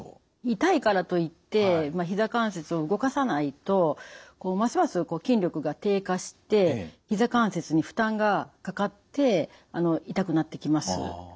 痛いからといってひざ関節を動かさないとますます筋力が低下してひざ関節に負担がかかって痛くなってきます。